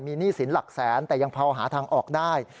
มีหนี้สินหลักแสนแต่ยังพอหาทางออกได้